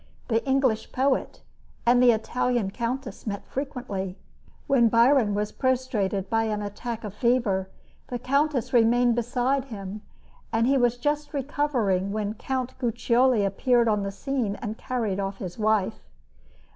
The English poet and the Italian countess met frequently. When Byron was prostrated by an attack of fever, the countess remained beside him, and he was just recovering when Count Guiccioli appeared upon the scene and carried off his wife.